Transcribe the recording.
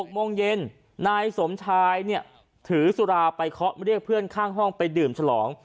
๖โมงเย็นนายสมชายเนี่ยถือสุราไปเคาะเรียกเพื่อนข้างห้องไปดื่มฉลอง